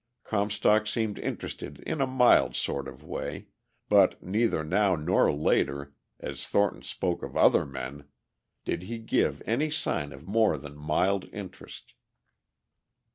Comstock seemed interested in a mild sort of a way, but neither now nor later, as Thornton spoke of other men, did he give any sign of more than mild interest.